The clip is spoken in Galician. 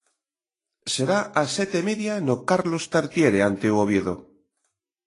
Será as sete e media no Carlos Tartiere ante o Oviedo.